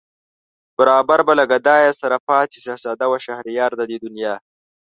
برابر به له گدايه سره پاڅي شهزاده و شهريار د دې دنیا